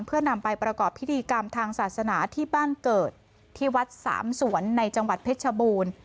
เพื่อนำไปประกอบพิธีกรรมทางศาสนาที่บ้านเกิดที่วัดสามสวนในจังหวัดเพชรชบูรณ์